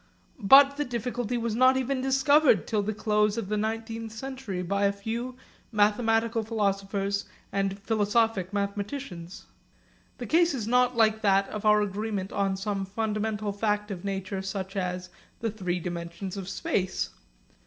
But the difficulty was not even discovered till the close of the nineteenth century by a few mathematical philosophers and philosophic mathematicians. The case is not like that of our agreement on some fundamental fact of nature such as the three dimensions of space.